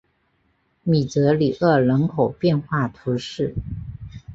米泽里厄人口变化图示